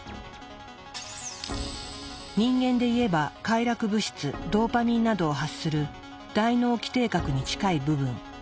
人間でいえば快楽物質ドーパミンなどを発する大脳基底核に近い部分。